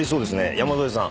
山添さん